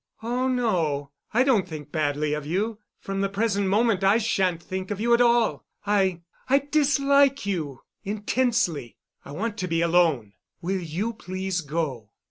"Oh, no, I don't think badly of you. From the present moment I sha'n't think of you at all. I—I dislike you—intensely. I want to be alone. Will you please go?"